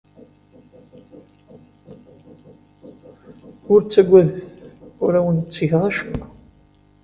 Ur ttagadet. Ur awen-ttgeɣ acemma.